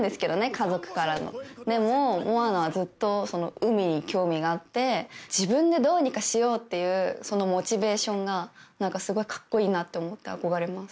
家族からのでもモアナはずっと海に興味があって自分でどうにかしようっていうそのモチベーションがなんかすごいかっこいいなって思って憧れます